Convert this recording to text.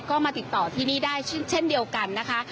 ก็มาติดต่อที่นี่ได้เช่นเดียวกันนะคะ